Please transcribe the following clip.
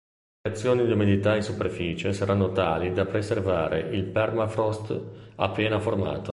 Le variazioni di umidità in superficie saranno tali da preservare il permafrost appena formato.